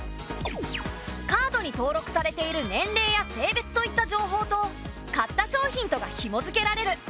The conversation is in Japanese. カードに登録されている年れいや性別といった情報と買った商品とがひも付けられる。